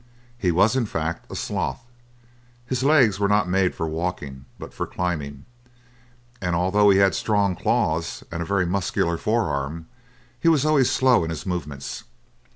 He was in fact a sloth; his legs were not made for walking, but for climbing, and although he had strong claws and a very muscular forearm, he was always slow in his movements.